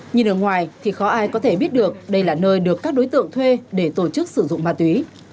nhìn ở ngoài thì khó ai có thể biết được đây là nơi được các đối tượng thuê để tổ chức sử dụng ma túy